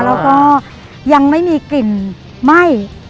แล้วก็ยังไม่มีกลิ่นไหม้